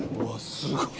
すごーい